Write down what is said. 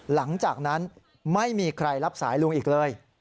หลังจากนั้นไม่มีใครรับสายลุงอีกเลย